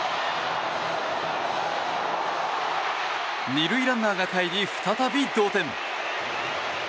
２塁ランナーがかえり再び同点。